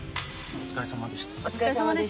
お疲れさまでした。